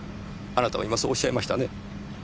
あなたは今そうおっしゃいましたね？